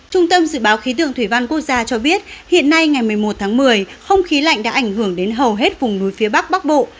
trung tâm dự báo khí tượng thủy văn quốc gia cho biết hiện nay ngày một mươi một tháng một mươi không khí lạnh đã ảnh hưởng đến hầu hết vùng núi phía bắc bắc bộ